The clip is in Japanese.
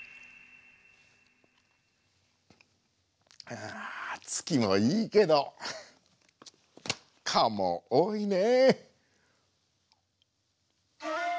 ああ月もいいけど蚊も多いね！